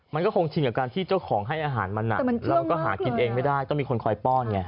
มันก็คงชินกับการที่เจ้าของให้อาหารมันแล้วมันก็หากินเองไม่ได้ต้องมีคนคอยป้อนไง